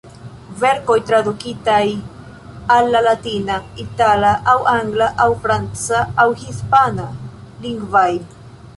Verkoj tradukitaj al la latina, itala aŭ angla aŭ franca aŭ hispana... lingvoj.